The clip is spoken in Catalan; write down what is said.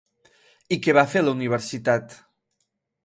I què va fer a la universitat?